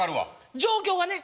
状況がね